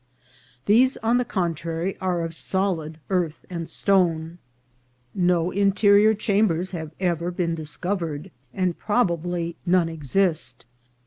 These, on the contrary, are of solid earth and stone,. No interior chambers have ever been 440 INCIDENTS OF TRAVEL. discovered, and probably none exist.